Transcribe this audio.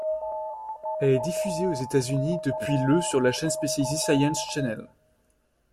Elle est diffusée aux États-Unis depuis le sur la chaîne spécialisée Science Channel.